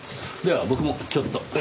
では僕もちょっと。